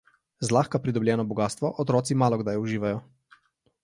Zlahka pridobljeno bogastvo otroci malokdaj uživajo.